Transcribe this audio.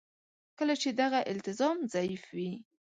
کله چې دغه التزام ضعیف وي.